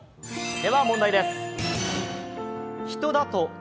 では問題です。